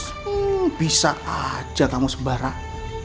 hmm bisa aja kamu sembarang